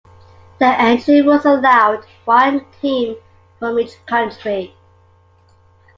The entry rules allowed one team from each country.